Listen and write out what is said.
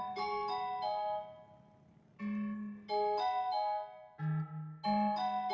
iya pak sofyan